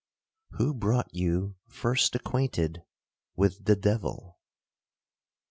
— Who brought you first acquainted with the devil?